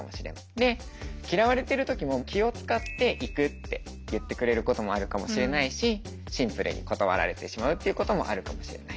で嫌われてる時も気を遣って行くって言ってくれることもあるかもしれないしシンプルに断られてしまうっていうこともあるかもしれない。